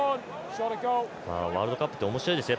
ワールドカップっておもしろいですね。